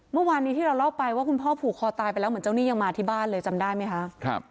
เมื่อวานนี้ที่เราเล่าไปว่าคุณพ่อผูกคอตายไปแล้วเหมือนเจ้าหนี้ยังมาที่บ้านเลยจำได้ไหมคะ